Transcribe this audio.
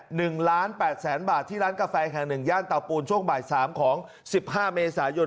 หนึ่งล้านแปดแสนบาทที่ร้านกาแฟแห่งหนึ่งย่านเตาปูนช่วงบ่ายสามของสิบห้าเมษายน